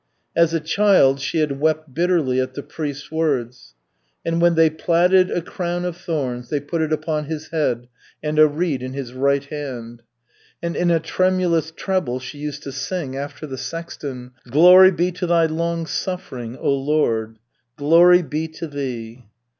As a child she had wept bitterly at the priest's words: "And when they plaited a crown of thorns, they put it upon His head, and a reed in His right hand," and in a tremulous treble she used to sing after the sexton: "Glory be to Thy long suffering, oh, Lord! Glory be to Thee!"